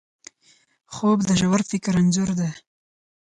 خوب د ژور فکر انځور دی